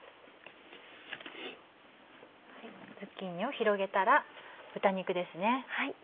ズッキーニを広げたら豚肉です。